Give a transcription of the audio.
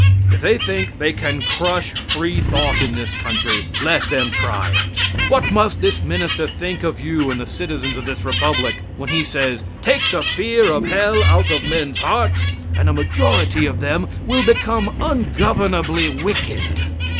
If they think they can crush free thought in this country, let them try it. What must this minister think of you and the citizens of this republic when he says, "Take the fear of hell out of men's hearts and a majority of them will become ungovernably wicked."